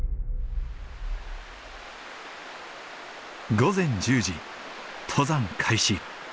午前１０時登山開始。